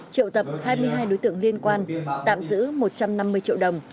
triệu tập hai mươi hai đối tượng liên quan tạm giữ một trăm năm mươi triệu đồng